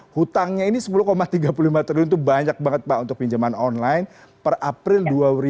hutangnya ini sepuluh tiga puluh lima triliun itu banyak banget pak untuk pinjaman online per april dua ribu dua puluh